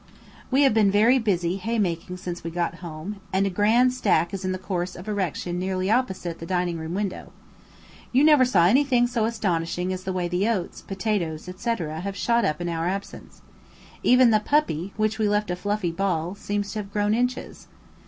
We have been very busy haymaking since we got home, and a grand stack is in the course of erection nearly opposite the dining room window. You never saw anything so astonishing as the way the oats, potatoes, etc., have shot up in our absence. Even the puppy, which we left a fluffy ball, seems to have grown inches.